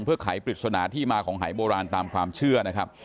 เพื่อขายปริศนาที่มาของหายโบราณตามความเชื่อ